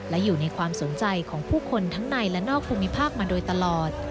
และอยู่ในความสนใจของผู้คนทั้งในและนอกภูมิภาคมาโดยตลอด